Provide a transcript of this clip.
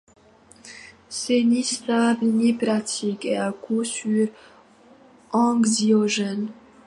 C’est ni stable, ni pratique, et à coup sûr anxiogène.